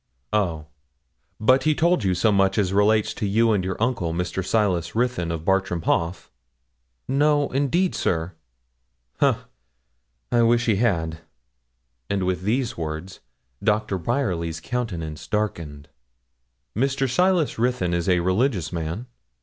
'Oh, but he told you so much as relates to you and your uncle, Mr. Silas Ruthyn, of Bartram Haugh?' 'No, indeed, sir.' 'Ha! I wish he had.' And with these words Doctor Bryerly's countenance darkened. 'Mr. Silas Ruthyn is a religious man?'